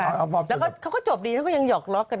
แล้วก็เขาคงจบดีเขายังหยอกล็อกกัน